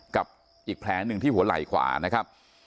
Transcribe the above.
กับอีกแผลหนึ่งที่หัวไหล่ขวา